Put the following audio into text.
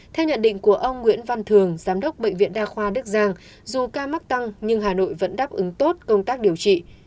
theo nhận định của ông nguyễn văn thường giám đốc bệnh viện đa khoa đức giang dù ca mắc tăng nhưng hà nội vẫn đáp ứng tốt công tác điều trị